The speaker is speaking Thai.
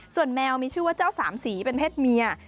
ส่วนแมวมีชื่อว่าเจ้าสามสีเป็นเพศเมีย